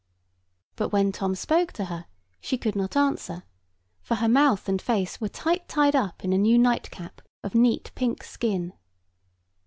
But when Tom spoke to her she could not answer; for her mouth and face were tight tied up in a new night cap of neat pink skin.